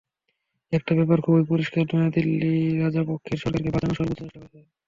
একটা ব্যাপার খুবই পরিষ্কার, নয়াদিল্লি রাজাপক্ষের সরকারকে বাঁচানোর সর্বোচ্চ চেষ্টা করেছে।